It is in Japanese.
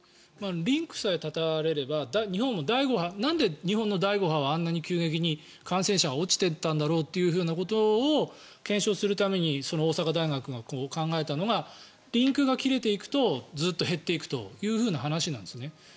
リンクさえ断たれればなんで日本の第５波はあんなに急激に感染者が落ちていったんだろうということを検証するために大阪大学が考えたのがリンクが切れていくとずっと減っていくという話なんですね。